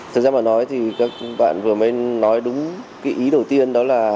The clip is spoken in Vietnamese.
thực ra mà nói thì các bạn vừa mới nói đúng cái ý đầu tiên đó là